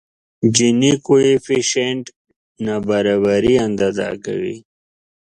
جیني کویفشینټ نابرابري اندازه کوي.